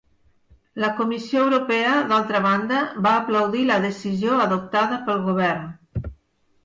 La Comissió Europea, d'altra banda, va aplaudir la decisió adoptada pel govern.